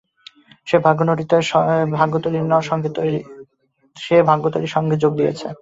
সে ভাগ্য তৈরির সংঘে যোগ দিয়েছে।